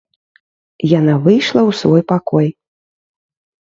Яна выйшла ў свой пакой.